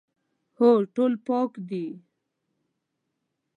هو، ټول پاک دي